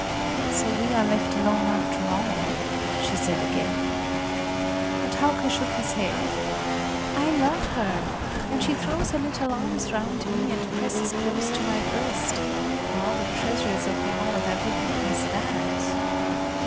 "So we are left alone after all," she said again. But Hauke shook his head: "I love her, and she throws her little arms round me and presses close to my breast; for all the treasures of the world I wouldn't miss that!"